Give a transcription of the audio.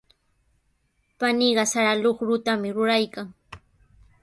Paniiqa sara luqrutami ruraykan.